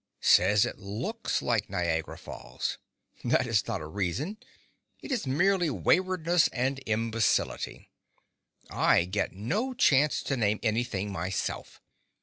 Says it looks like Niagara Falls. That is not a reason; it is mere waywardness and imbecility. I get no chance to name anything myself.